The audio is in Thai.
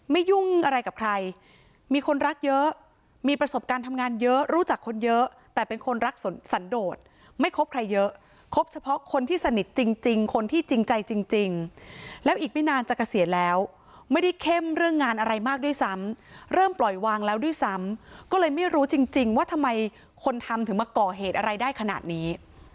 ยุ่งอะไรกับใครมีคนรักเยอะมีประสบการณ์ทำงานเยอะรู้จักคนเยอะแต่เป็นคนรักสันโดดไม่คบใครเยอะคบเฉพาะคนที่สนิทจริงคนที่จริงใจจริงแล้วอีกไม่นานจะเกษียณแล้วไม่ได้เข้มเรื่องงานอะไรมากด้วยซ้ำเริ่มปล่อยวางแล้วด้วยซ้ำก็เลยไม่รู้จริงว่าทำไมคนทำถึงมาก่อเหตุอะไรได้ขนาดนี้